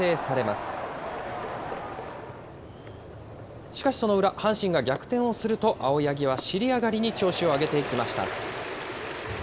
しかし、その裏、阪神が逆転をすると、青柳は尻上がりに調子を上げていきました。